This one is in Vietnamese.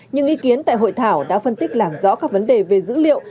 những ý kiến tại hội thảo đã phân tích làm rõ các vấn đề về dữ liệu